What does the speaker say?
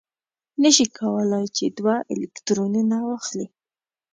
نه شي کولای چې اوه الکترونه واخلي.